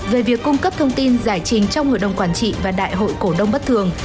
về việc cung cấp thông tin giải trình trong hội đồng quản trị và đại hội cổ đông bất thường